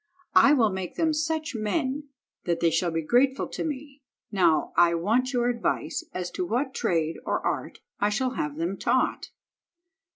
I will make them such men that they shall be grateful to me. Now, I want your advice as to what trade or art I shall have them taught."